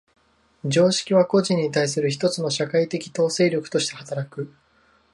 常識は個人に対する一つの社会的統制力として働く。